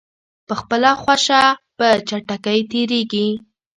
په خپله خوښه په چټکۍ تېریږي.